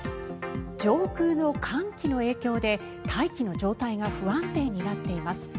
上空の寒気の影響で大気の状態が不安定になっています。